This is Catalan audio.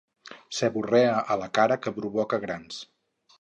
Seborrea a la cara que provoca grans.